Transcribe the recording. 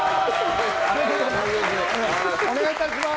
お願いいたします。